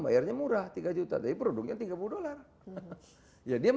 bayarnya murah tiga juta tapi produknya